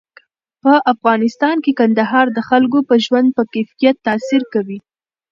په افغانستان کې کندهار د خلکو د ژوند په کیفیت تاثیر کوي.